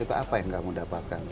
itu apa yang kamu dapatkan